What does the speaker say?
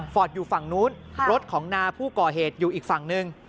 อยู่ฝั่งนู้นรถของนาผู้ก่อเหตุอยู่อีกฝั่งหนึ่ง